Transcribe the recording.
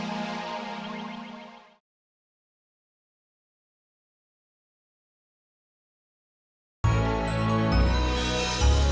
neng jadi berangkat ke luar negeri